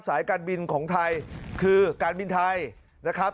สายการบินของไทยคือการบินไทยนะครับ